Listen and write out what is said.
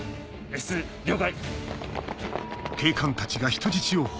Ｓ２了解！